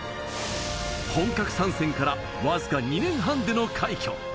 本格参戦からわずか２年半での快挙。